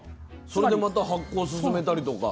それでまた発酵を進めたりとか？